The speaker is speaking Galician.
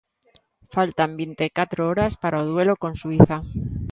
Faltan vinte e catro horas para o duelo con Suíza.